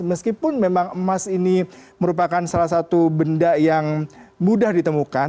meskipun memang emas ini merupakan salah satu benda yang mudah ditemukan